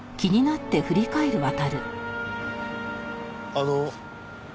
あの。